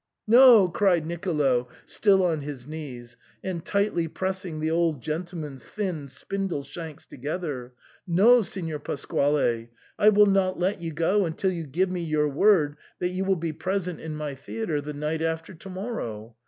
" No," cried Nicolo, still on his knees, and tightly pressing the old gentleman's thin spindle shanks to gether, " no, Signor Pasquale, I will not let you go until you give me your word that you will be present in my theatre the night after to morrow.